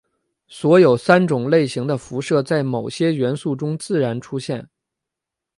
所有三种类型的辐射在某些元素中自然出现。